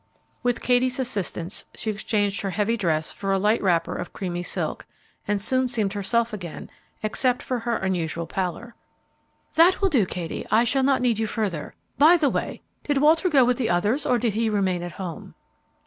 With Katie's assistance, she exchanged her heavy dress for a light wrapper of creamy silk, and soon seemed herself again except for her unusual pallor. "That will do, Katie; I shall not need you further. By the way, did Walter go with the others, or did he remain at home?"